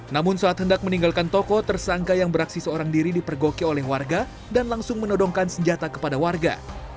namun saat hendak meninggalkan toko tersangka yang beraksi seorang diri dipergoki oleh warga dan langsung menodongkan senjata kepada warga